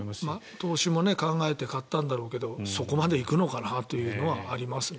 投資も考えて買ったんだろうけどそこまで行くのかなというのはありますね。